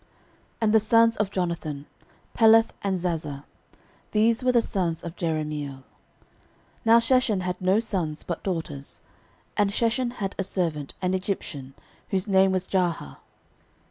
13:002:033 And the sons of Jonathan; Peleth, and Zaza. These were the sons of Jerahmeel. 13:002:034 Now Sheshan had no sons, but daughters. And Sheshan had a servant, an Egyptian, whose name was Jarha.